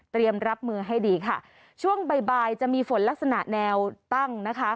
รับมือให้ดีค่ะช่วงบ่ายบ่ายจะมีฝนลักษณะแนวตั้งนะคะ